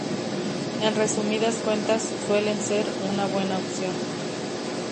En resumidas cuentas, suelen ser una buena opción